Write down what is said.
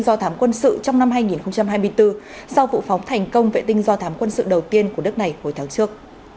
do thám quân sự trong năm hai nghìn hai mươi bốn sau vụ phóng thành công vệ tinh do thám quân sự đầu tiên của đất này hồi tháng trước